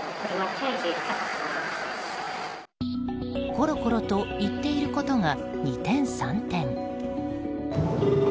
ころころと言っていることが二転三転。